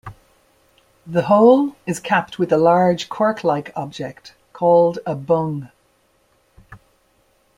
The hole is capped with a large cork-like object called a bung.